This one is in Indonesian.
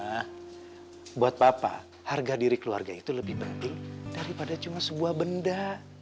karena buat papa harga diri keluarga itu lebih penting daripada cuma sebuah benda